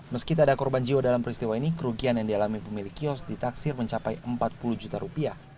meski tak ada korban jiwa dalam peristiwa ini kerugian yang dialami pemilik kios ditaksir mencapai empat puluh juta rupiah